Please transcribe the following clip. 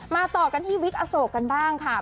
ต่อกันที่วิกอโศกกันบ้างค่ะ